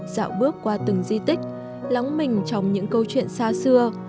dạo bước qua từng di tích lóng mình trong những câu chuyện xa xưa